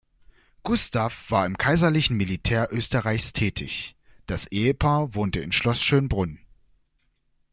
Gustav war im kaiserlichen Militär Österreichs tätig; das Ehepaar wohnte in Schloss Schönbrunn.